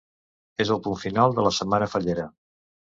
És el punt final de la setmana fallera.